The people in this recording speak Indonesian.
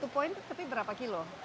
satu poin tapi berapa kilo